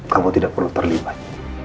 kamu tidak perlu terlibat